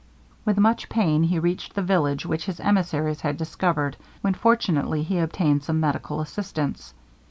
With much pain he reached the village which his emissaries had discovered, when fortunately he obtained some medical assistance.